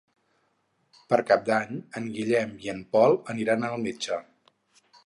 Per Cap d'Any en Guillem i en Pol aniran al metge.